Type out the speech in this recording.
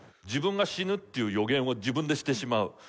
自分が死ぬっていう予言を自分でしてしまう。